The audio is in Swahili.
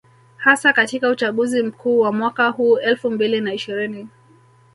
Hasa katika uchaguzi mkuu wa mwaka huu elfu mbili na ishirini